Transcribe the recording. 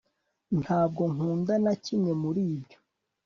ntabwo nkunda na kimwe muri byo